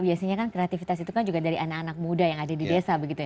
biasanya kan kreativitas itu kan juga dari anak anak muda yang ada di desa begitu ya